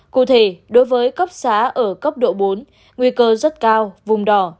cụ thể đối với cấp xá ở cấp độ bốn nguy cơ rất cao vùng đỏ